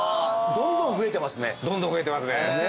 どんどん増えてますね。